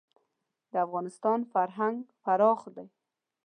د افغانستان فرهنګ پراخ دی.